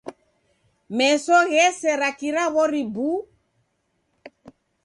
Meso ghesera kira w'ori buu.